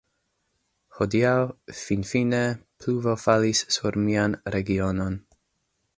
Hodiaŭ, finfine, pluvo falis sur mian regionon.